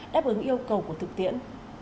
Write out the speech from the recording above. đáp ứng yêu cầu của thực tiễn